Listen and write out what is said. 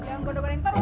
gondok gondok yang teruk